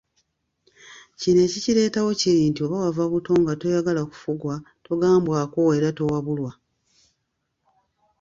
Kino ekikireetawo kiri nti oba wava buto nga toyagala kufugwa, togambwako era towabulwa.